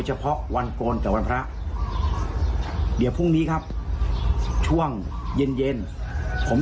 เฉพาะวันโกนแต่วันพระเดี๋ยวพรุ่งนี้ครับช่วงเย็นเย็นผม